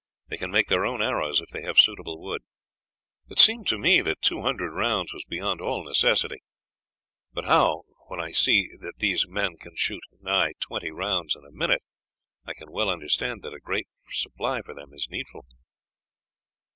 They can make their own arrows if they have suitable wood.' It seemed to me that two hundred rounds was beyond all necessity, but now when I see that these men can shoot nigh twenty rounds a minute, I can well understand that a great supply for them is needful."